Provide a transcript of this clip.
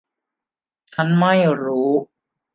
ฉันไม่รู้.